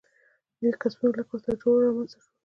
نوي کسبونه لکه وسله جوړونه رامنځته شول.